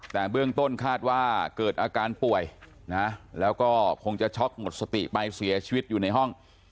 แต่เบื้องต้นคาดว่าเกิดอาการป่วยนะแล้วก็คงจะช็อกหมดสติไปเสียชีวิตอยู่ในห้อง